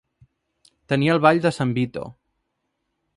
Tenir el ball de sant Vito.